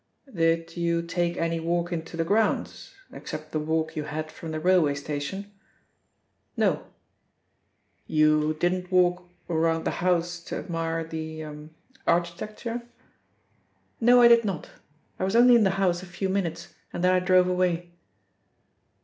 "Did you take any walk into the grounds, except the walk you had from the railway station?" "No." "You didn't walk around the house to admire the er architecture?" "No, I did not. I was only in the house a few minutes, and then I drove away."